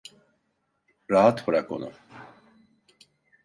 Rahat bırak onu!